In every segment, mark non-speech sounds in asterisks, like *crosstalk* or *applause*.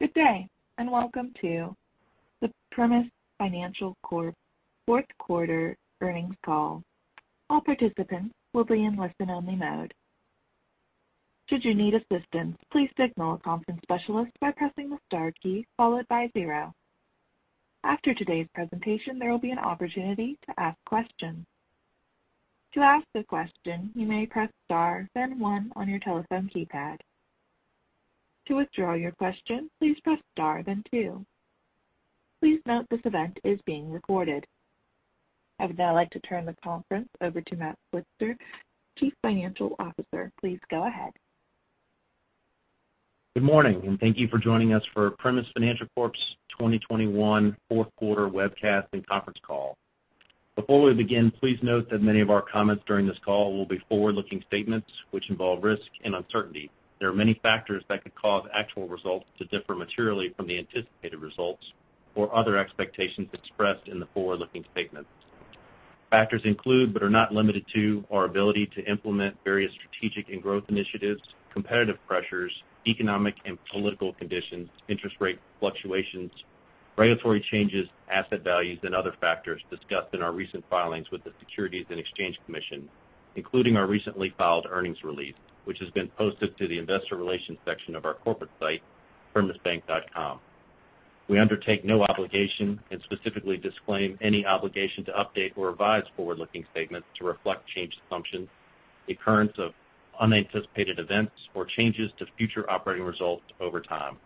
Good day, and welcome to the Primis Financial Corp fourth quarter earnings call. All participants will be in listen-only mode. Should you need assistance, please signal a conference specialist by pressing the star key followed by zero. After today's presentation, there will be an opportunity to ask questions. To ask a question, you may press star then one on your telephone keypad. To withdraw your question, please press star then two. Please note this event is being recorded. I would now like to turn the conference over to Matt Switzer, Chief Financial Officer. Please go ahead. Good morning, and thank you for joining us for Primis Financial Corp's 2021 fourth quarter webcast and conference call. Before we begin, please note that many of our comments during this call will be forward-looking statements which involve risk and uncertainty. There are many factors that could cause actual results to differ materially from the anticipated results or other expectations expressed in the forward-looking statements. Factors include, but are not limited to, our ability to implement various strategic and growth initiatives, competitive pressures, economic and political conditions, interest rate fluctuations, regulatory changes, asset values, and other factors discussed in our recent filings with the Securities and Exchange Commission, including our recently filed earnings release, which has been posted to the investor relations section of our corporate site, primisbank.com. We undertake no obligation and specifically disclaim any obligation to update or revise forward-looking statements to reflect changed assumptions, occurrence of unanticipated events, or changes to future operating results over time.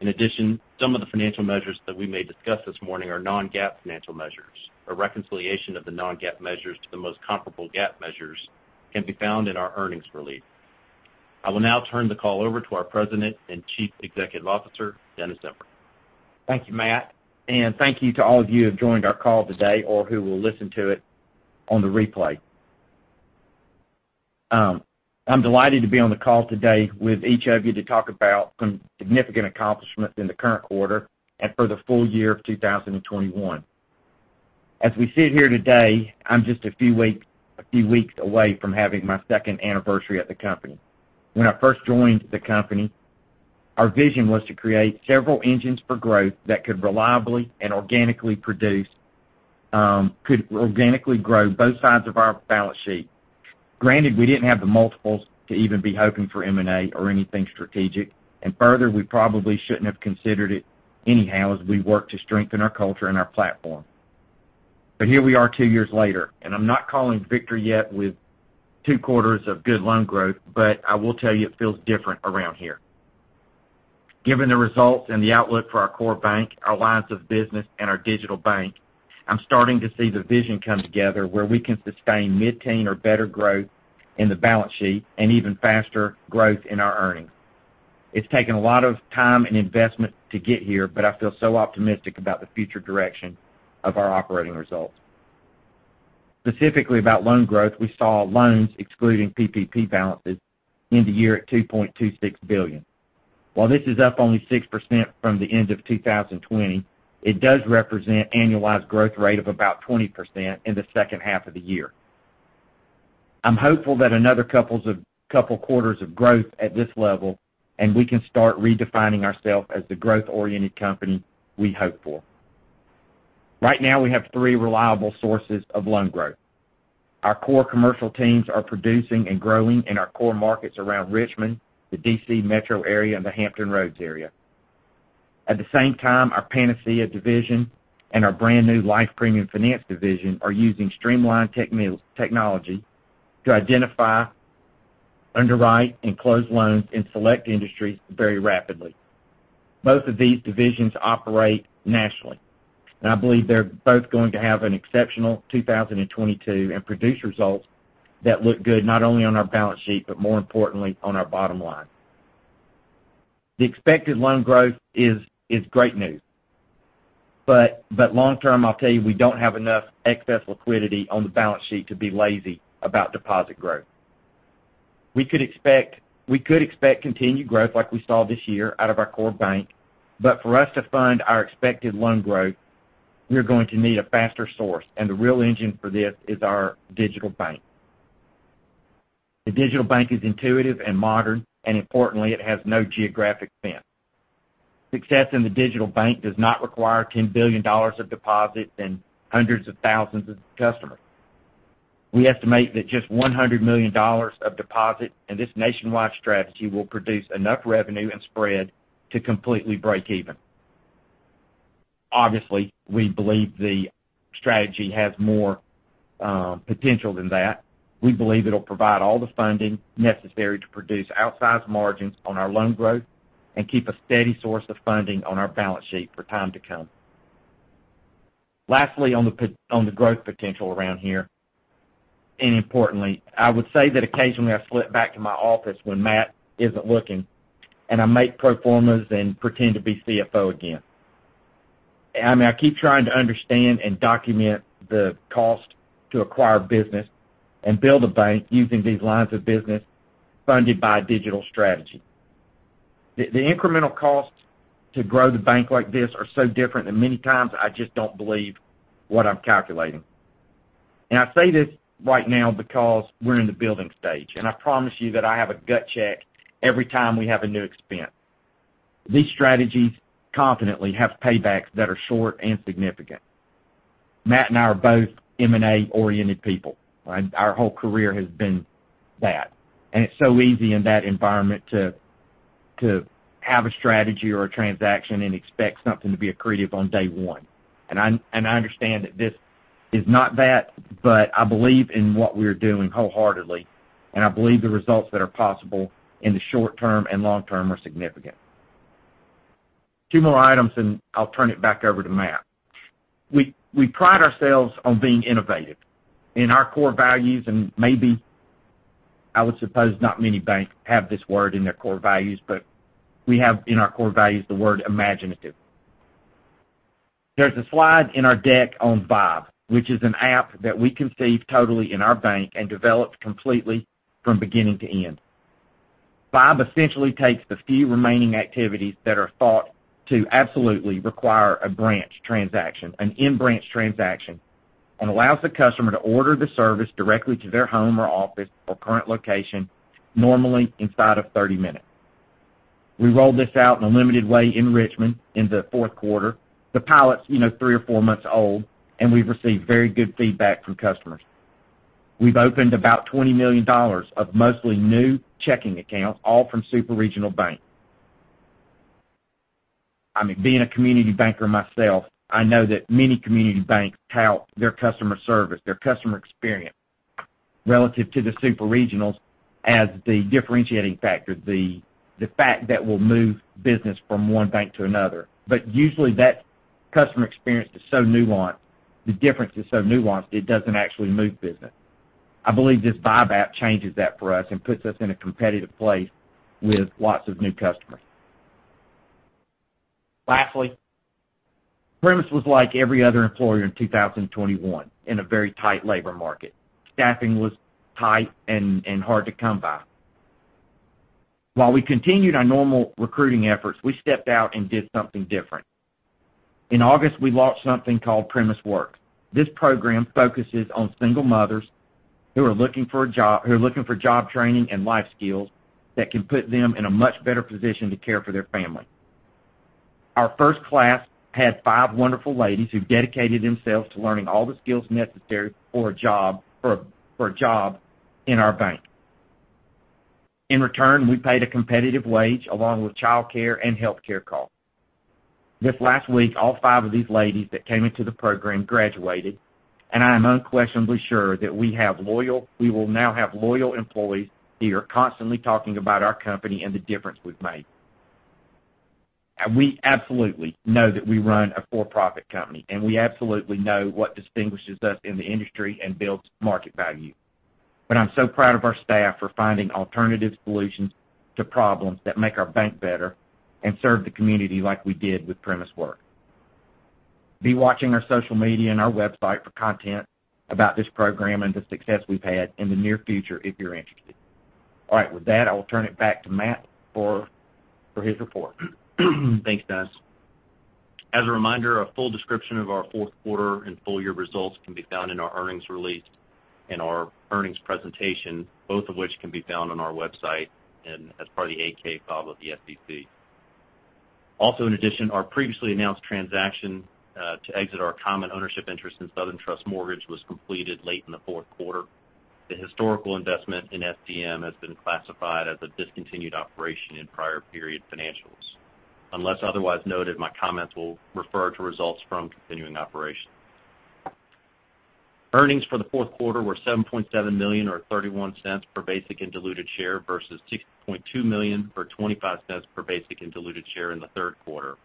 In addition, some of the financial measures that we may discuss this morning are non-GAAP financial measures. A reconciliation of the non-GAAP measures to the most comparable GAAP measures can be found in our earnings release. I will now turn the call over to our President and Chief Executive Officer, Dennis Zember. Thank you, Matt. Thank you to all of you who have joined our call today or who will listen to it on the replay. I'm delighted to be on the call today with each of you to talk about some significant accomplishments in the current quarter and for the full- year of 2021. As we sit here today, I'm just a few weeks away from having my second anniversary at the company. When I first joined the company, our vision was to create several engines for growth that could reliably and organically grow both sides of our balance sheet. Granted, we didn't have the multiples to even be hoping for M&A or anything strategic. Further, we probably shouldn't have considered it anyhow as we worked to strengthen our culture and our platform. Here we are two years later, and I'm not calling victory yet with two quarters of good loan growth, but I will tell you it feels different around here. Given the results and the outlook for our core bank, our lines of business, and our digital bank, I'm starting to see the vision come together where we can sustain mid-teen or better growth in the balance sheet and even faster growth in our earnings. It's taken a lot of time and investment to get here, but I feel so optimistic about the future direction of our operating results. Specifically about loan growth, we saw loans excluding PPP balances end the year at $2.26 billion. While this is up only 6% from the end of 2020, it does represent annualized growth rate of about 20% in the second half of the year. I'm hopeful that another couple quarters of growth at this level, and we can start redefining ourselves as the growth-oriented company we hope for. Right now, we have three reliable sources of loan growth. Our core commercial teams are producing and growing in our core markets around Richmond, the D.C. metro area, and the Hampton Roads area. At the same time, our Panacea division and our brand-new Life Premium Finance division are using streamlined technology to identify, underwrite, and close loans in select industries very rapidly. Both of these divisions operate nationally, and I believe they're both going to have an exceptional 2022 and produce results that look good not only on our balance sheet, but more importantly, on our bottom line. The expected loan growth is great news, but long-term, I'll tell you, we don't have enough excess liquidity on the balance sheet to be lazy about deposit growth. We could expect continued growth like we saw this year out of our core bank, but for us to fund our expected loan growth, we're going to need a faster source, and the real engine for this is our digital bank. The digital bank is intuitive and modern, and importantly, it has no geographic fence. Success in the digital bank does not require $10 billion of deposits and hundreds of thousands of customers. We estimate that just $100 million of deposit in this nationwide strategy will produce enough revenue and spread to completely break even. Obviously, we believe the strategy has more potential than that. We believe it'll provide all the funding necessary to produce outsized margins on our loan growth and keep a steady source of funding on our balance sheet for time to come. Lastly, on the growth potential around here, and importantly, I would say that occasionally I slip back to my office when Matt isn't looking, and I make pro formas and pretend to be CFO again. I mean, I keep trying to understand and document the cost to acquire business and build a bank using these lines of business funded by a digital strategy. The incremental costs to grow the bank like this are so different, and many times, I just don't believe what I'm calculating. I say this right now because we're in the building stage, and I promise you that I have a gut check every time we have a new expense. These strategies confidently have paybacks that are short and significant. Matt and I are both M&A-oriented people, right? Our whole career has been that, and it's so easy in that environment to have a strategy or a transaction and expect something to be accretive on day one. I understand that this is not that, but I believe in what we're doing wholeheartedly, and I believe the results that are possible in the short-term and long-term are significant. Two more items, and I'll turn it back over to Matt. We pride ourselves on being innovative in our core values, and maybe I would suppose not many banks have this word in their core values, but we have in our core values the word imaginative. There's a slide in our deck on V1BE, which is an app that we conceived totally in our bank and developed completely from beginning to end. V1BE essentially takes the few remaining activities that are thought to absolutely require a branch transaction, an in-branch transaction, and allows the customer to order the service directly to their home or office or current location, normally inside of 30 minutes. We rolled this out in a limited way in Richmond in the fourth quarter. The pilot's, you know, three or four months old, and we've received very good feedback from customers. We've opened about $20 million of mostly new checking accounts, all from super regional banks. I mean, being a community banker myself, I know that many community banks tout their customer service, their customer experience relative to the super regionals as the differentiating factor, the fact that we'll move business from one bank to another. Usually, that customer experience is so nuanced, the difference is so nuanced, it doesn't actually move business. I believe this V1BE app changes that for us and puts us in a competitive place with lots of new customers. Lastly, Primis was like every other employer in 2021 in a very tight labor market. Staffing was tight and hard to come by. While we continued our normal recruiting efforts, we stepped out and did something different. In August, we launched something called Primis Works. This program focuses on single mothers who are looking for job training and life skills that can put them in a much better position to care for their family. Our first class had five wonderful ladies who dedicated themselves to learning all the skills necessary for a job in our bank. In return, we paid a competitive wage along with childcare and healthcare costs. This last week, all five of these ladies that came into the program graduated, and I am unquestionably sure that we will now have loyal employees who are constantly talking about our company and the difference we've made. We absolutely know that we run a for-profit company, and we absolutely know what distinguishes us in the industry and builds market value. I'm so proud of our staff for finding alternative solutions to problems that make our bank better and serve the community like we did with Primis Works. Be watching our social media and our website for content about this program and the success we've had in the near future if you're interested. All right. With that, I will turn it back to Matt for his report. Thanks, Dennis. As a reminder, a full description of our fourth quarter and full-year results can be found in our earnings release and our earnings presentation, both of which can be found on our website and as part of the 8-K file with the SEC. In addition, our previously announced transaction to exit our common ownership interest in Southern Trust Mortgage was completed late in the fourth quarter. The historical investment in STM has been classified as a discontinued operation in prior period financials. Unless otherwise noted, my comments will refer to results from continuing operations. Earnings for the fourth quarter were $7.7 million or $0.31 per basic and diluted share versus $6.2 million or $0.25 per basic and diluted share in the third quarter.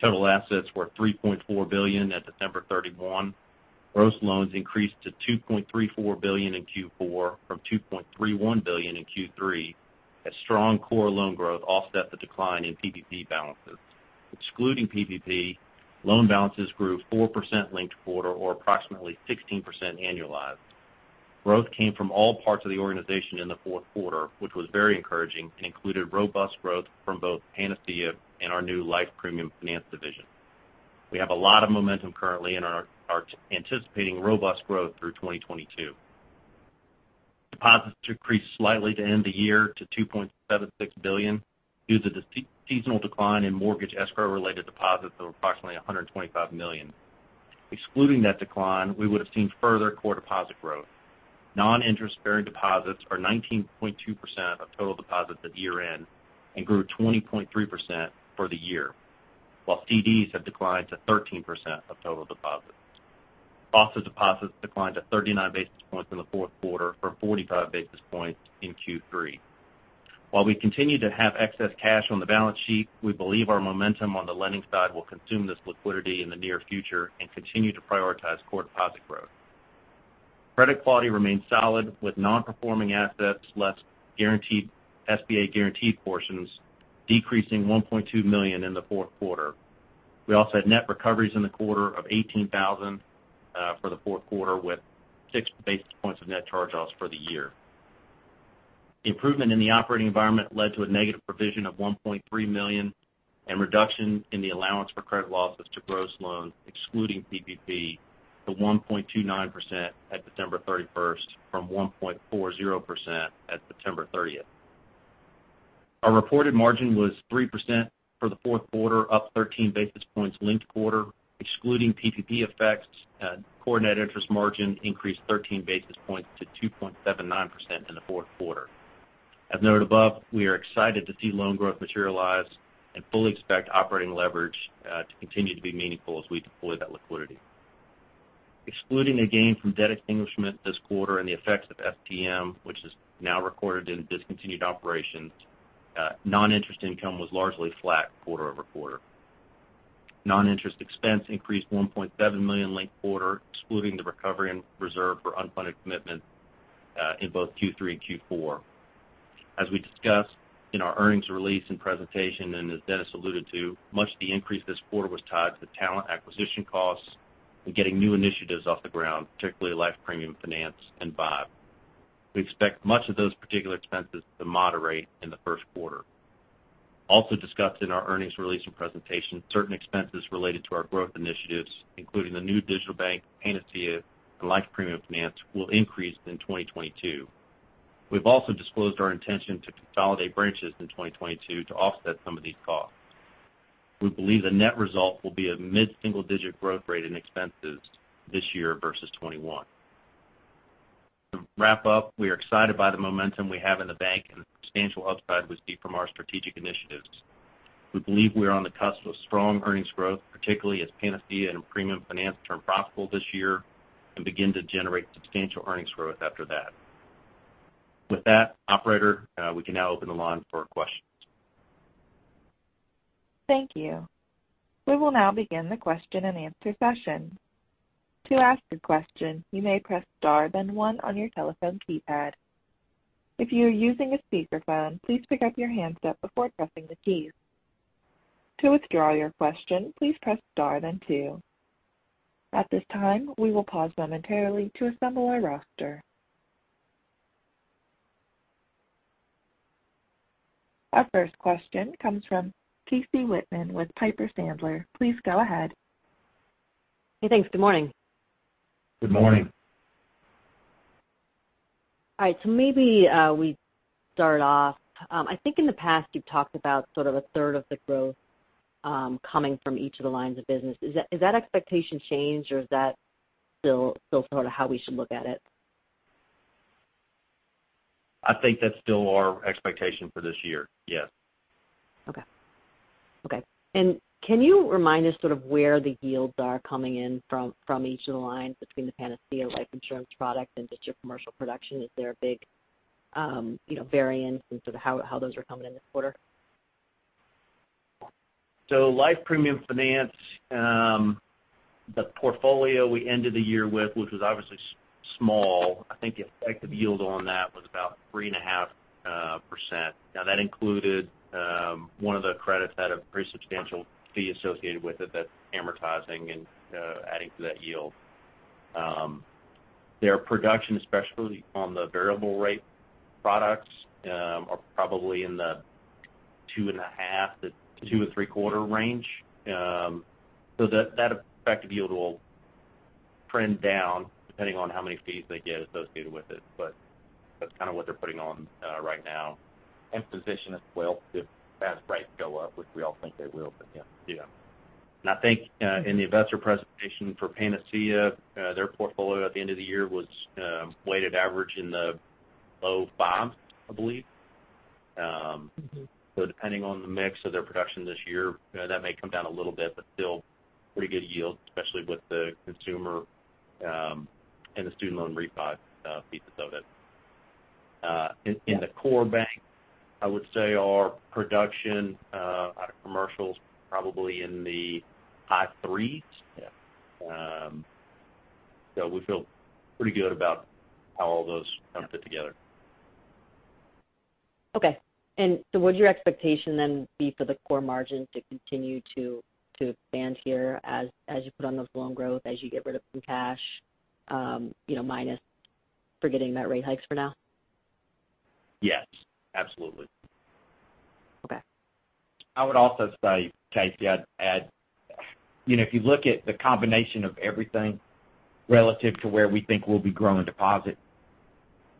Total assets were $3.4 billion at December 31. Gross loans increased to $2.34 billion in Q4 from $2.31 billion in Q3 as strong core loan growth offset the decline in PPP balances. Excluding PPP, loan balances grew 4% linked quarter or approximately 16% annualized. Growth came from all parts of the organization in the fourth quarter, which was very encouraging and included robust growth from both Panacea and our new Life Premium Finance division. We have a lot of momentum currently and are anticipating robust growth through 2022. Deposits decreased slightly to end the year to $2.76 billion due to the seasonal decline in mortgage escrow-related deposits of approximately $125 million. Excluding that decline, we would have seen further core deposit growth. Non-interest-bearing deposits are 19.2% of total deposits at year-end and grew 20.3% for the year, while CDs have declined to 13% of total deposits. Cost of deposits declined to 39 basis points in the fourth quarter from 45 basis points in Q3. While we continue to have excess cash on the balance sheet, we believe our momentum on the lending side will consume this liquidity in the near future and continue to prioritize core deposit growth. Credit quality remains solid with non-performing assets less guaranteed SBA guaranteed portions decreasing $1.2 million in the fourth quarter. We also had net recoveries in the quarter of $18,000 for the fourth quarter with 60 basis points of net charge-offs for the year. Improvement in the operating environment led to a negative provision of $1.3 million and reduction in the allowance for credit losses to gross loans, excluding PPP, to 1.29% at December 31st from 1.40% at September 30th. Our reported margin was 3% for the fourth quarter, up 13 basis points linked quarter, excluding PPP effects, core net interest margin increased 13 basis points to 2.79% in the fourth quarter. As noted above, we are excited to see loan growth materialize and fully expect operating leverage to continue to be meaningful as we deploy that liquidity. Excluding a gain from debt extinguishment this quarter and the effects of STM, which is now recorded in discontinued operations, non-interest income was largely flat quarter-over-quarter. Non-interest expense increased $1.7 million linked-quarter, excluding the recovery and reserve for unfunded commitments, in both Q3 and Q4. As we discussed in our earnings release and presentation, and as Dennis alluded to, much of the increase this quarter was tied to the talent acquisition costs and getting new initiatives off the ground, particularly Life Premium Finance and V1BE. We expect much of those particular expenses to moderate in the first quarter. Also discussed in our earnings release and presentation, certain expenses related to our growth initiatives, including the new digital bank, Panacea, and Life Premium Finance will increase in 2022. We've also disclosed our intention to consolidate branches in 2022 to offset some of these costs. We believe the net result will be a mid-single-digit growth rate in expenses this year versus 2021. To wrap up, we are excited by the momentum we have in the bank and the substantial upside we see from our strategic initiatives. We believe we are on the cusp of strong earnings growth, particularly as Panacea and Premium Finance turn profitable this year and begin to generate substantial earnings growth after that. With that, operator, we can now open the line for questions. Thank you. We will now begin the question-and-answer session. To ask a question, you may press star then one on your telephone keypad. If you are using a speakerphone, please pick up your handset before pressing the keys. To withdraw your question, please press star then two. At this time, we will pause momentarily to assemble our roster. Our first question comes from Casey Whitman with Piper Sandler. Please go ahead. Hey, thanks. Good morning. Good morning. All right, maybe we start off. I think in the past you've talked about sort of 1/3 of the growth coming from each of the lines of business. Is that expectation changed or is that still sort of how we should look at it? I think that's still our expectation for this year. Yes. Okay. Can you remind us sort of where the yields are coming in from each of the lines between the Panacea life insurance product and just your commercial production? Is there a big, you know, variance in sort of how those are coming in this quarter? Life Premium Finance, the portfolio we ended the year with, which was obviously small, I think the effective yield on that was about 3.5%. Now, that included, one of the credits had a pretty substantial fee associated with it that's amortizing and adding to that yield. Their production, especially on the variable rate products, are probably in the 2.5%-2.75% range. That effective yield will trend down depending on how many fees they get associated with it. That's kind of what they're putting on right now. Position as well if asset rates go up, which we all think they will, but yeah. I think in the investor presentation for Panacea, their portfolio at the end of the year was weighted average in the low 3s, I believe. Depending on the mix of their production this year, that may come down a little bit, but still pretty good yield, especially with the consumer and the student loan refi piece of it. In the core bank, I would say our production out of commercials probably in the high 3s. Yeah. We feel pretty good about how all those kind of fit together. Would your expectation then be for the core margin to continue to expand here as you put on those loan growth, as you get rid of some cash, you know, minus forgetting about rate hikes for now? Yes, absolutely. Okay. I would also say, Casey, I'd add, you know, if you look at the combination of everything relative to where we think we'll be growing deposit,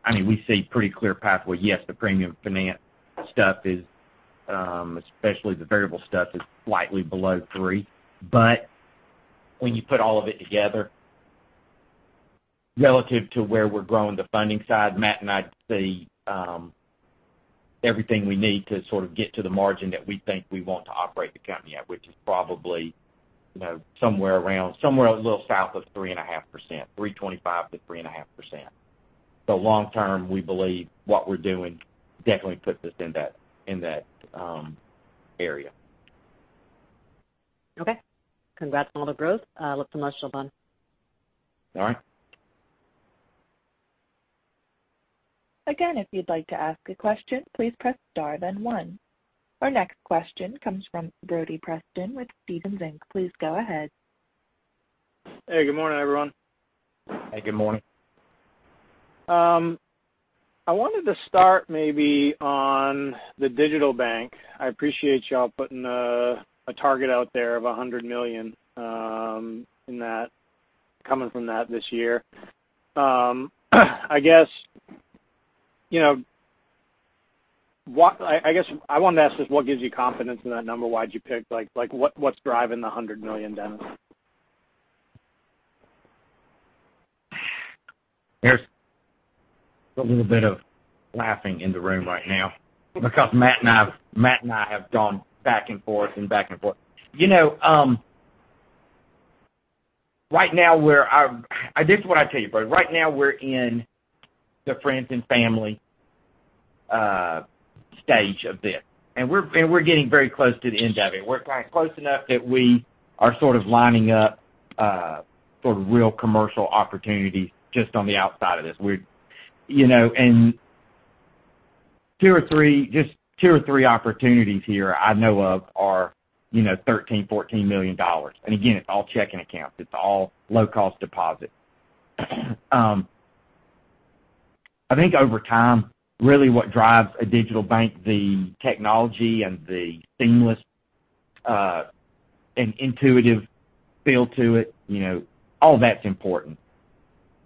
I mean, we see pretty clear pathway. Yes, the premium finance stuff is, especially the variable stuff, slightly below 3%. But when you put all of it together relative to where we're growing the funding side, Matt and I see, everything we need to sort of get to the margin that we think we want to operate the company at, which is probably, you know, somewhere a little south of 3.5%, 3.25%-3.5%. So long-term, we believe what we're doing definitely puts us in that, in that, area. Okay. Congrats on all the growth. Look. *audio distortion* All right. Again, if you'd like to ask a question, please press star then one. Our next question comes from Brody Preston with Stephens Inc. Please go ahead. Hey, good morning, everyone. Hey, good morning. I wanted to start maybe on the digital bank. I appreciate y'all putting a target out there of $100 million in that coming from that this year. I guess, you know, I want to ask just what gives you confidence in that number? Why'd you pick, like, what's driving the $100 million, Dennis? There's a little bit of laughing in the room right now because Matt and I have gone back and forth and back and forth. You know, right now we're in the friends and family stage of this, and we're getting very close to the end of it. We're close enough that we are sort of lining up for real commercial opportunities just on the outside of this. We're you know two or three opportunities here I know of are you know $13 million, $14 million. Again, it's all checking accounts. It's all low-cost deposit. I think over time, really what drives a digital bank, the technology and the seamless and intuitive feel to it, you know, all that's important.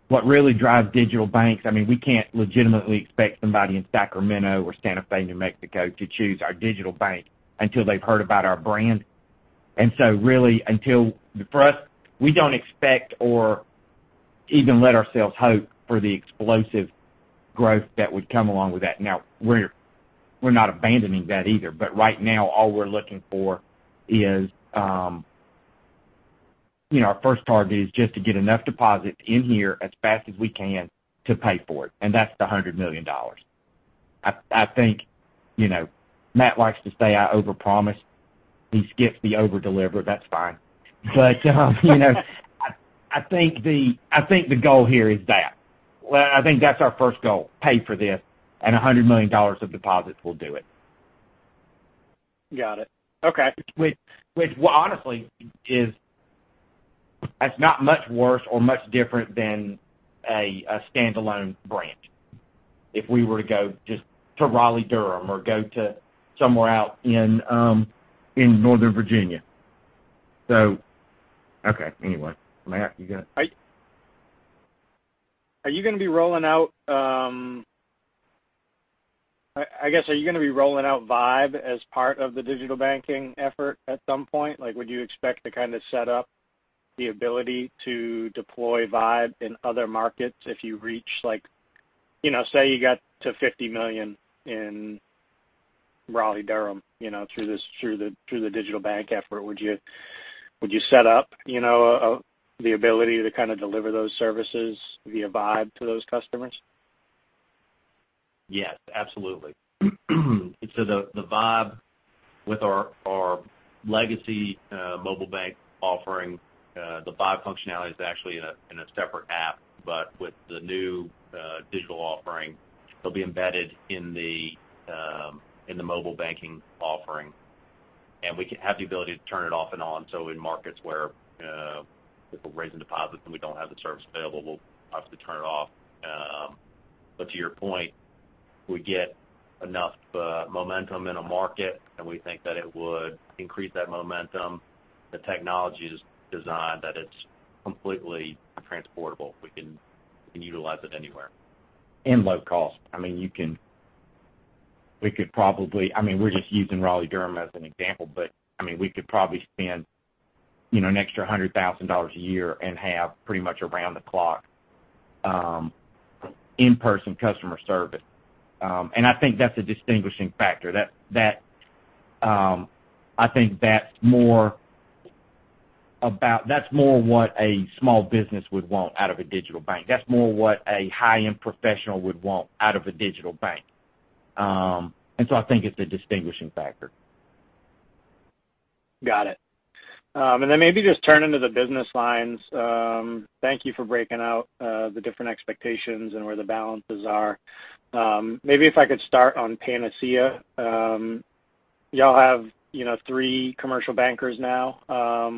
What really drives digital banks? I mean, we can't legitimately expect somebody in Sacramento or Santa Fe, New Mexico, to choose our digital bank until they've heard about our brand. Really, until, for us, we don't expect or even let ourselves hope for the explosive growth that would come along with that. Now, we're not abandoning that either. Right now, all we're looking for is, you know, our first target is just to get enough deposits in here as fast as we can to pay for it, and that's the $100 million. I think, you know, Matt likes to say I overpromise. He skips the overdeliver. That's fine. You know, I think the goal here is that. Well, I think that's our first goal, pay for this, and $100 million of deposits will do it. Got it. Okay. Which honestly is. That's not much worse or much different than a standalone branch if we were to go just to Raleigh-Durham or go to somewhere out in Northern Virginia. Okay, anyway. Matt, you got it. Are you gonna be rolling out V1BE as part of the digital banking effort at some point? Like, would you expect to kind of set up the ability to deploy V1BE in other markets if you reach like you know say you got to $50 million in Raleigh-Durham you know through the digital bank effort. Would you set up you know the ability to kind of deliver those services via V1BE to those customers? Yes, absolutely. The V1BE with our legacy mobile bank offering, the V1BE functionality is actually in a separate app. With the new digital offering, it'll be embedded in the mobile banking offering. We have the ability to turn it off and on, so in markets where if we're raising deposits and we don't have the service available, we'll obviously turn it off. But to your point, we get enough momentum in a market, and we think that it would increase that momentum. The technology is designed that it's completely transportable. We can utilize it anywhere. Low cost. I mean, you can. I mean, we're just using Raleigh-Durham as an example, but we could spend, you know, an extra $100,000 a year and have pretty much around the clock in-person customer service. I think that's a distinguishing factor. That's more what a small business would want out of a digital bank. That's more what a high-end professional would want out of a digital bank. I think it's a distinguishing factor. Got it. Maybe just turn into the business lines. Thank you for breaking out the different expectations and where the balances are. Maybe if I could start on Panacea. Y'all have, you know, three commercial bankers now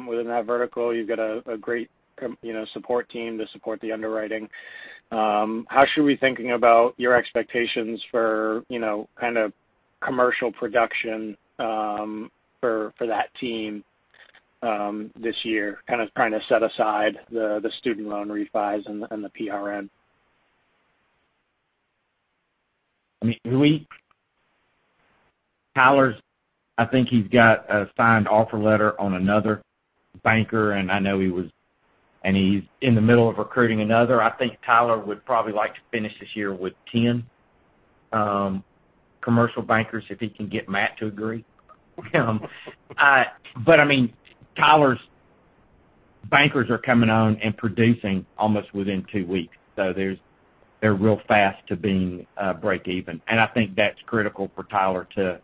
within that vertical. You've got a great support team to support the underwriting. How should we be thinking about your expectations for, you know, kind of commercial production for that team this year? Kind of trying to set aside the student loan refis and the PRN. I mean, Tyler's, I think he's got a signed offer letter on another banker, and I know he's in the middle of recruiting another. I think Tyler would probably like to finish this year with 10 commercial bankers if he can get Matt to agree. But I mean, Tyler's bankers are coming on and producing almost within two weeks. So there's, they're real fast to being breakeven. I think that's critical for Tyler to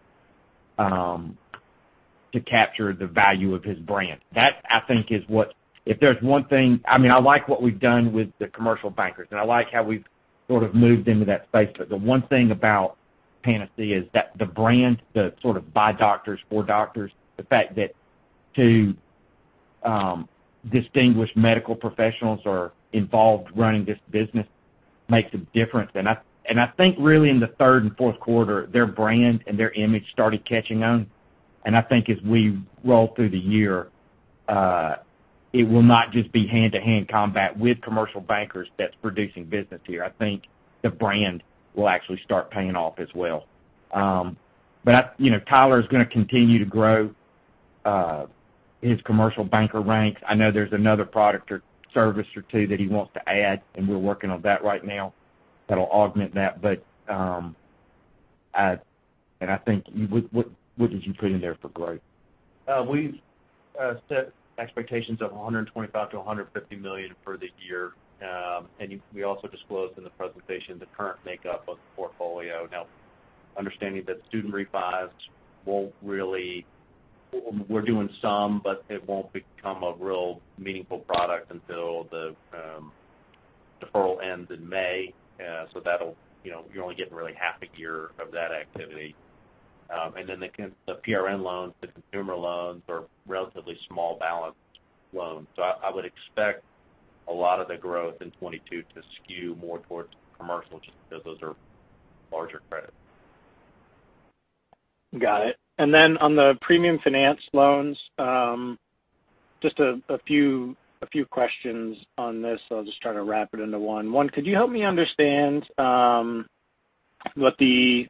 capture the value of his brand. That, I think, is what. If there's one thing, I mean, I like what we've done with the commercial bankers, and I like how we've sort of moved into that space. The one thing about Panacea is that the brand, the sort of by doctors for doctors, the fact that two distinguished medical professionals are involved running this business makes a difference. I think really in the third and fourth quarter, their brand and their image started catching on. I think as we roll through the year, it will not just be hand-to-hand combat with commercial bankers that's producing business here. I think the brand will actually start paying off as well. You know, Tyler is gonna continue to grow his commercial banker ranks. I know there's another product or service or two that he wants to add, and we're working on that right now that'll augment that. I think what did you put in there for growth? We've set expectations of $125 million-$150 million for the year. We also disclosed in the presentation the current makeup of the portfolio. Now, understanding that student lending won't really. We're doing some, but it won't become a real meaningful product until the deferral ends in May. That'll, you know, you're only getting really half a year of that activity. The PRN loans, the consumer loans are relatively small balance loans. I would expect a lot of the growth in 2022 to skew more towards commercial just because those are larger credits. Got it. On the premium finance loans, just a few questions on this. I'll just try to wrap it into one. One, could you help me understand what the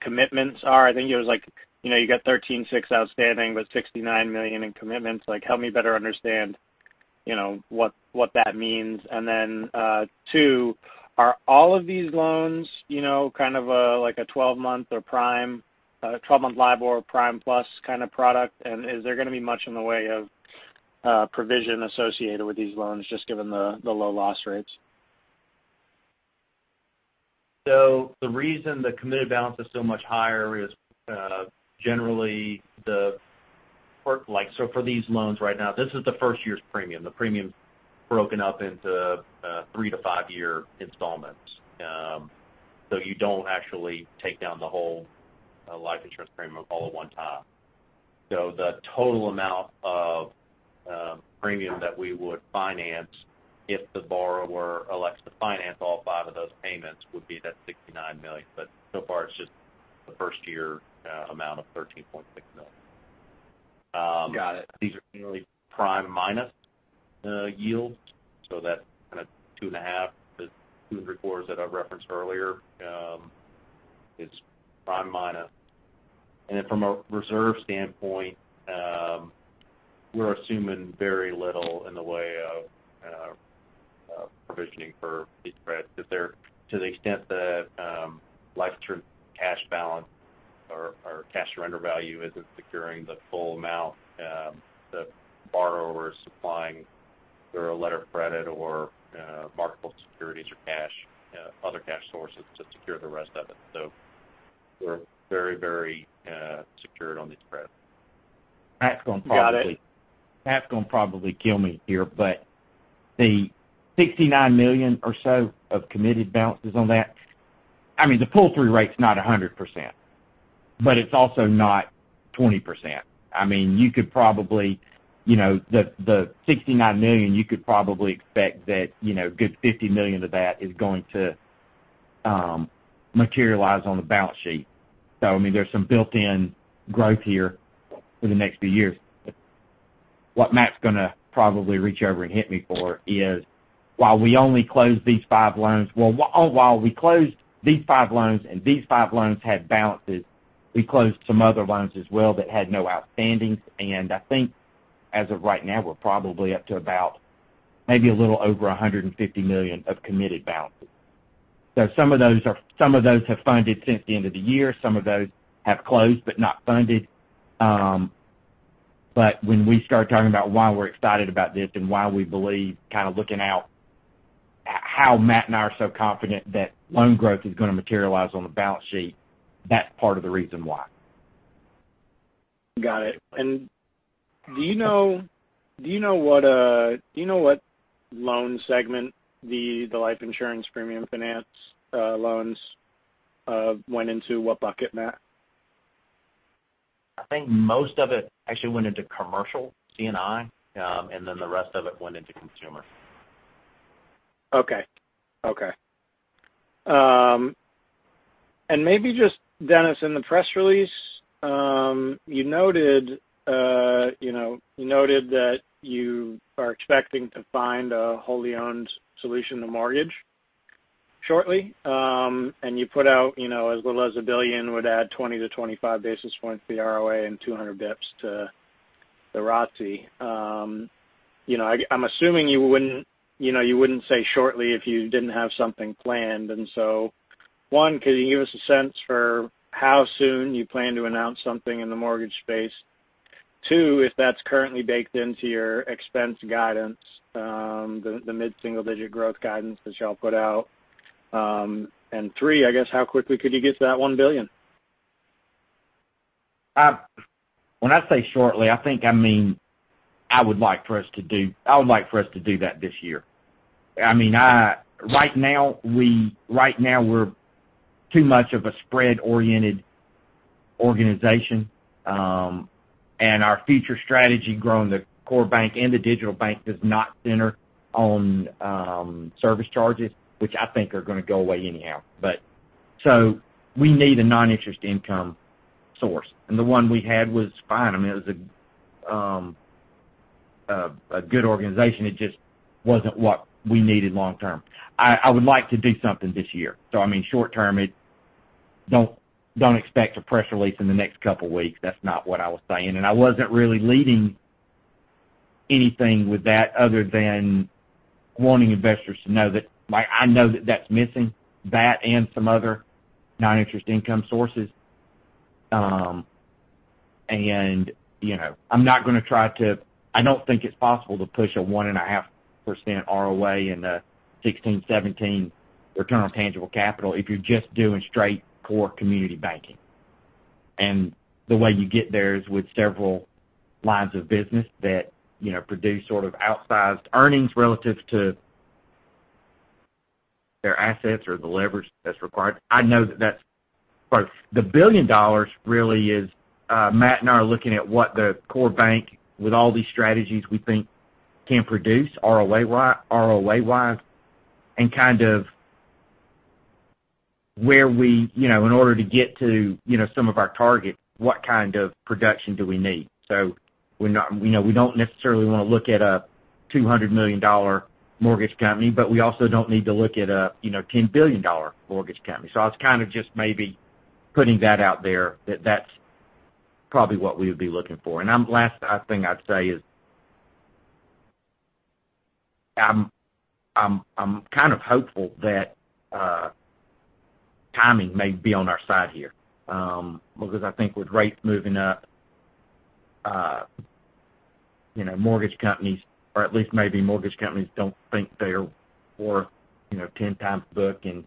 commitments are? I think it was like, you know, you got $13.6 million outstanding, but $69 million in commitments. Like, help me better understand, you know, what that means. Two, are all of these loans, you know, kind of like a 12-month or prime, 12-month LIBOR prime plus kind of product? And is there gonna be much in the way of provision associated with these loans just given the low loss rates? The reason the committed balance is so much higher is generally the whole life. For these loans right now, this is the first year's premium. The premium's broken up into three to five-year installments. You don't actually take down the whole life insurance premium all at one time. The total amount of premium that we would finance if the borrower elects to finance all five of those payments would be that $69 million. So far, it's just the first year amount of $13.6 million. Got it. These are generally prime minus yield, so that's kinda 2.5%. The 200 cores that I referenced earlier is prime minus. From a reserve standpoint, we're assuming very little in the way of provisioning for these spreads because, to the extent that life insurance cash balance or cash surrender value isn't securing the full amount, the borrower supplying through a letter of credit or marketable securities or cash, other cash sources to secure the rest of it. We're very, very secured on these credits. Matt's gonna probably. Got it. Matt's gonna probably kill me here, but the $69 million or so of committed balances on that, I mean, the pull-through rate's not 100%, but it's also not 20%. I mean, you could probably, you know, the $69 million, you could probably expect that, you know, a good $50 million of that is going to materialize on the balance sheet. I mean, there's some built-in growth here for the next few years. What Matt's gonna probably reach over and hit me for is while we closed these five loans and these five loans had balances, we closed some other loans as well that had no outstandings. I think as of right now, we're probably up to about maybe a little over $150 million of committed balances. Some of those have funded since the end of the year. Some of those have closed but not funded. When we start talking about why we're excited about this and why we believe kind of looking out how Matt and I are so confident that loan growth is gonna materialize on the balance sheet, that's part of the reason why. Got it. Do you know what loan segment the Life Premium Finance loans went into? What bucket, Matt? I think most of it actually went into commercial C&I, and then the rest of it went into consumer. Okay. Maybe just Dennis, in the press release, you noted, you know, you noted that you are expecting to find a wholly owned solution to mortgage shortly. You put out, you know, as little as $1 billion would add 20 basis points-25 basis points to the ROA and 200 bps to the ROTCE. You know, I'm assuming you wouldn't, you know, you wouldn't say shortly if you didn't have something planned. One, could you give us a sense for how soon you plan to announce something in the mortgage space? Two, if that's currently baked into your expense guidance, the mid-single-digit growth guidance that y'all put out. Three, I guess how quickly could you get to that $1 billion? When I say shortly, I think, I mean, I would like for us to do that this year. I mean, right now, we're too much of a spread-oriented organization. Our future strategy growing the core bank and the digital bank does not center on service charges, which I think are gonna go away anyhow. We need a non-interest income source. The one we had was fine. I mean, it was a good organization. It just wasn't what we needed long-term. I would like to do something this year. I mean, short-term, don't expect a press release in the next couple weeks. That's not what I was saying. I wasn't really leading anything with that other than wanting investors to know that I know that that's missing, that and some other non-interest income sources. You know, I'm not gonna try to. I don't think it's possible to push a 1.5% ROA in the 16, 17 return on tangible capital if you're just doing straight core community banking. The way you get there is with several lines of business that, you know, produce sort of outsized earnings relative to their assets or the leverage that's required. I know that that's. The billion dollars really is, Matt and I are looking at what the core bank, with all these strategies we think can produce ROA-wise, and kind of where we, you know, in order to get to, you know, some of our targets, what kind of production do we need? We're not you know, we don't necessarily wanna look at a $200 million mortgage company, but we also don't need to look at a, you know, $10 billion mortgage company. I was kind of just maybe putting that out there that that's probably what we would be looking for. The last thing I'd say is, I'm kind of hopeful that timing may be on our side here, because I think with rates moving up, you know, mortgage companies or at least maybe mortgage companies don't think they're worth, you know, 10x book and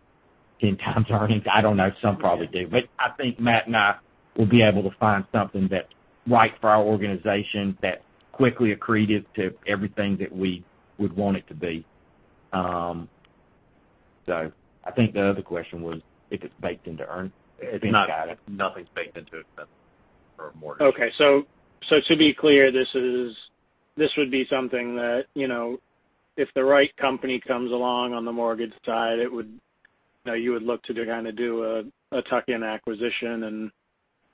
10x earnings. I don't know, some probably do. But I think Matt and I will be able to find something that's right for our organization that's quickly accretive to everything that we would want it to be. So I think the other question was if it's baked into earn- It's not. Nothing's baked into it but for mortgage. To be clear, this would be something that, you know, if the right company comes along on the mortgage side, you would look to kinda do a tuck-in acquisition and,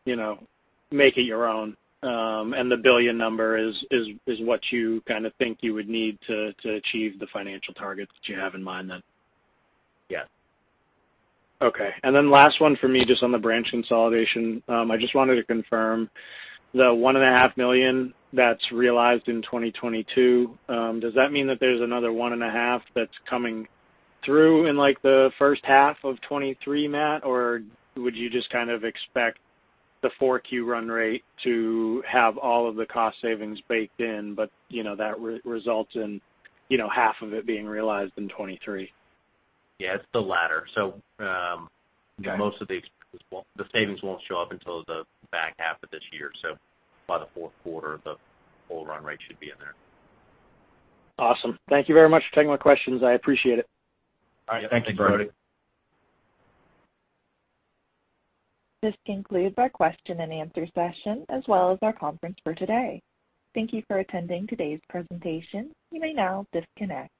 you know, make it your own. The billion number is what you kinda think you would need to achieve the financial targets that you have in mind then? Yeah. Okay. Last one for me, just on the branch consolidation. I just wanted to confirm the $1.5 million that's realized in 2022, does that mean that there's another $1.5 million that's coming through in, like, the first half of 2023, Matt? Or would you just kind of expect the 4Q run rate to have all of the cost savings baked in, but, you know, that results in, you know, half of it being realized in 2023? Yeah, it's the latter. Okay. The savings won't show up until the back half of this year. By the fourth quarter, the full run rate should be in there. Awesome. Thank you very much for taking my questions. I appreciate it. All right. Thank you. Yeah. Thanks, Brody. This concludes our question and answer session, as well as our conference for today. Thank you for attending today's presentation. You may now disconnect.